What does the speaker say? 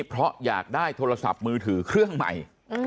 เพราะอยากได้โทรศัพท์มือถือเครื่องใหม่